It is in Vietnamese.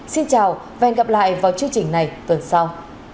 xin chào và hẹn gặp lại vào chương trình này tuần sau